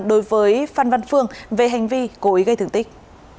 đối với phan văn phương về hành vi cố ý gây thương tích